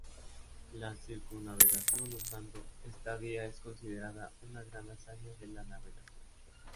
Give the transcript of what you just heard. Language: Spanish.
La circunnavegación usando esta vía es considerada una gran hazaña de la navegación.